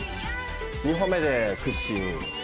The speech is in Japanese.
２歩目で屈伸。